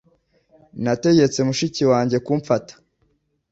Nategetse mushiki wanjye kumfata